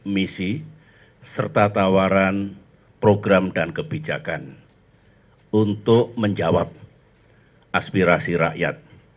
misi serta tawaran program dan kebijakan untuk menjawab aspirasi rakyat